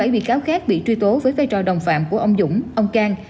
một mươi bảy bị cáo khác bị truy tố với vai trò đồng phạm của ông dũng ông cang